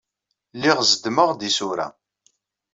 Lliɣ zeddmeɣ-d isura.